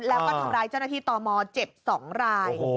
แล้วก็ทำร้ายเจ้าหน้าที่ตมเจ็บ๒ราย